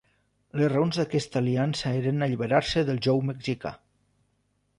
Les raons d'aquesta aliança eren alliberar-se del jou mexica.